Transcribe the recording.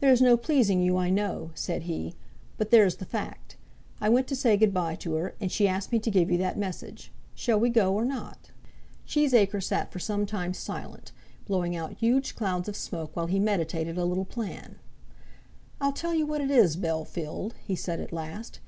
"There's no pleasing you, I know," said he. "But there's the fact. I went to say goodbye to her, and she asked me to give you that message. Shall we go or not?" Cheesacre sat for some time silent, blowing out huge clouds of smoke while he meditated a little plan. "I'll tell you what it is, Bellfield," he said at last.